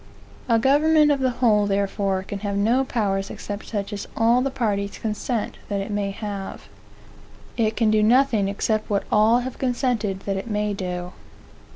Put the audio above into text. A government of the whole, therefore, can have no powers except such as all the parties consent that it may have. It can do nothing except what all have consented that it may do.